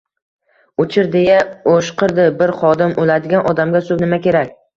— Uchir! — deya o‘shqirdi bir xodim. — O’ladigan odamga... suv nima kerak?